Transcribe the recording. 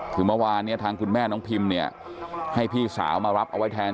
คือเมื่อวานเนี่ยทางคุณแม่น้องพิมเนี่ยให้พี่สาวมารับเอาไว้แทน